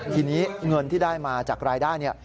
ทีนี้เงินที่ได้มาจากรายได้เนี่ย